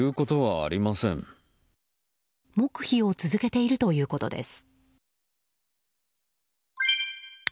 黙秘を続けているということです。